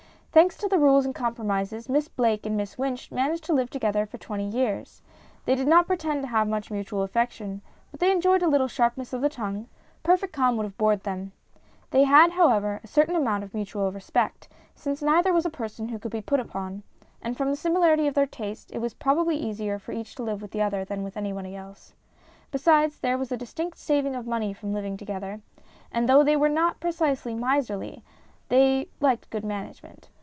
Thanks to the rules and compromises, Miss Blake and Miss Wynch managed to live together for twenty years. They did not pretend to have much mutual affection, but they enjoyed a little sharpness of the tongue ; perfect calm would have bored them. They had, however, a certain amount of mutual respect, since neither was a person who could be put upon, and from the similarity of their tastes it was probably easier for each to live with the other than with anybody else. Besides, there MINIATURES 255 Avas a distinct saving of money from living together ; and though they were not precisely miserly, they liked good management.